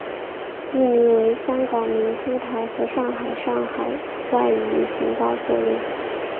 译名为香港明珠台和上海上海外语频道所用。